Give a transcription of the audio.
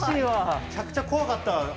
むちゃくちゃ怖かった。